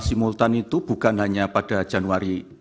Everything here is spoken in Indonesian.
simultan itu bukan hanya pada januari